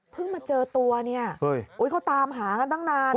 มาเจอตัวเนี่ยเขาตามหากันตั้งนาน